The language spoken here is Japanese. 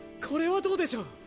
これはどうでしょう！？